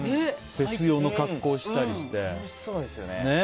フェス用の格好したりして。